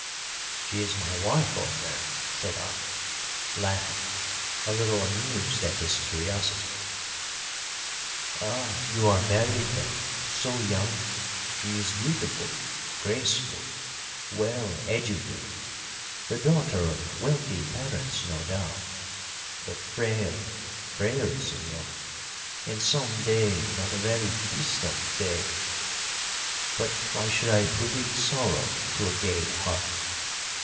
"She is my wife, old man," said I, laughing, a little amused at his curiosity. "Ah, you are married then so young? She is beautiful, graceful, well educated, the daughter of wealthy parents, no doubt, but frail, frail, señor; and some day, not a very distant day but why should I predict sorrow to a gay heart?